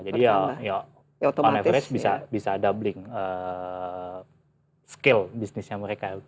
jadi ya on average bisa doubling skill bisnisnya mereka